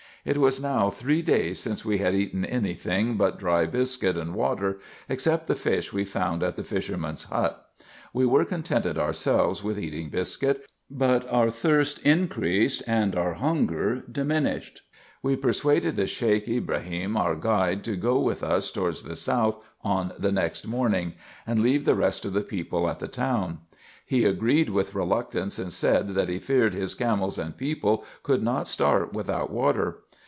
It was now three days since we had eaten any thing but dry biscuit and water, except the fish we found at the fishermen's hut. We were contented ourselves with eating biscuit ; but our thirst increased, and our hudry diminished. We persuaded the Sheik Ibrahim, our guide, to go with us towards the south on the next u u 2 332 RESEARCHES AND OPERATIONS morning, and leave the rest of the people at the town, He agreed with reluctance, and said, that he feared his camels and people could not start without water.